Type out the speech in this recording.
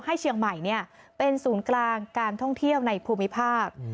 เชียงใหม่เป็นศูนย์กลางการท่องเที่ยวในภูมิภาค